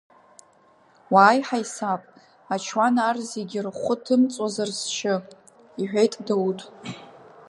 Уааи, ҳаисап, ачуан ар зегьы рхәы ҭымҵуазар сшьы, — иҳәеит Дауҭ.